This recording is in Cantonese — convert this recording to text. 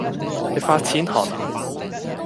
你發錢寒呀